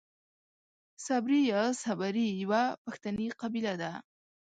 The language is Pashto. صبري يا سبري يوۀ پښتني قبيله ده.